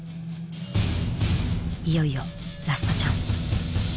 いよいよラストチャンス。